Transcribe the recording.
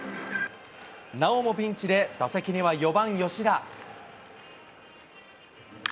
なおもピンチで打席には４番吉田。